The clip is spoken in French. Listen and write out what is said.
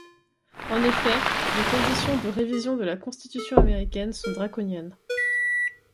En effet, les conditions de révision de la constitution américaine sont draconiennes.